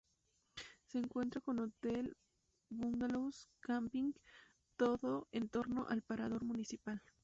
Se cuenta con hotel, bungalows, camping, todo en torno al Parador Municipal.